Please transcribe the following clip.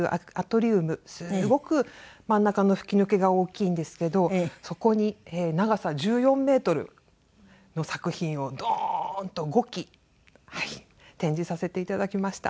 すごく真ん中の吹き抜けが大きいんですけどそこに長さ１４メートルの作品をドーンと５基展示させて頂きました。